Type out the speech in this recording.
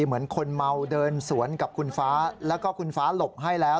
เหมือนคนเมาเดินสวนกับคุณฟ้าแล้วก็คุณฟ้าหลบให้แล้ว